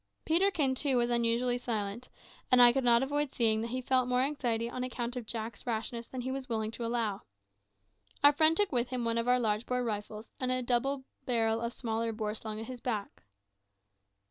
Peterkin, too, was unusually silent, and I could not avoid seeing that he felt more anxiety on account of Jack's rashness than he was willing to allow. Our friend took with him one of our large bore rifles, and a double barrel of smaller bore slung at his back.